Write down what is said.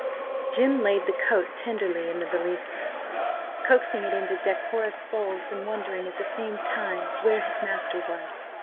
Jim laid the coat tenderly in the valise, coaxing it into decorous folds, and wondering at the same time where his master was.